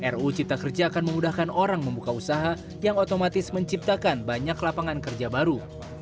ruu cipta kerja akan memudahkan orang membuka usaha yang otomatis menciptakan banyak lapangan kerja baru